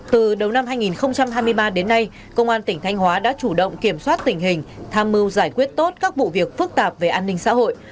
từ đầu năm hai nghìn hai mươi ba đến nay công an tỉnh thanh hóa đã chủ động kiểm soát tình hình tham mưu giải quyết tốt các vụ việc phức tạp về an ninh xã hội